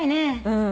うん。